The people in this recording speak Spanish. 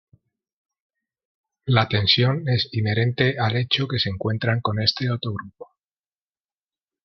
La tensión es inherente al hecho que se encuentran con este otro grupo.